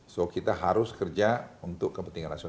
so kita harus kerja untuk kepentingan nasional